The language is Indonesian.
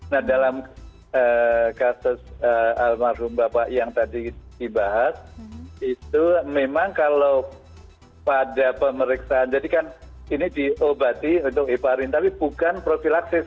nah dalam kasus almarhum bapak yang tadi dibahas itu memang kalau pada pemeriksaan jadi kan ini diobati untuk hiparin tapi bukan profilaksis